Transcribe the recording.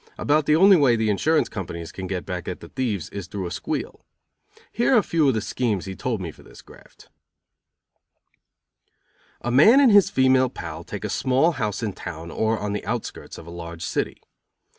About the only way the insurance companies can get back at the thieves is through a squeal. Here are a few of the schemes he told me for this graft: A man and his female pal take a small house in town or on the outskirts of a large city.